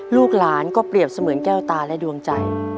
ลูกหลานก็เปรียบเสมือนแก้วตาและดวงใจ